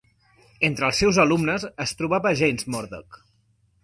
Entre els seus alumnes es trobava James Murdoch.